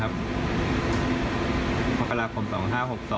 กันต่อของไลค์เตอร์เลยนะครับวันนี้วันที่๔นะครับ